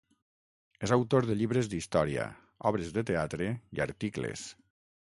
És autor de llibres d'història, obres de teatre i articles.